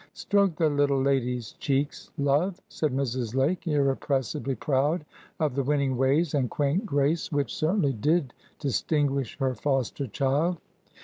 "Stroke the little lady's cheeks, love," said Mrs. Lake, irrepressibly proud of the winning ways and quaint grace which certainly did distinguish her foster child.